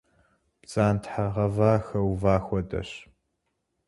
Бдзантхьэ гъэва хэува хуэдэщ.